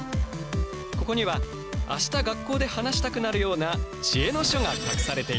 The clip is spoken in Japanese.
ここには明日学校で話したくなるような知恵の書が隠されている。